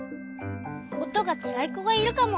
「おとがつらいこがいるかも。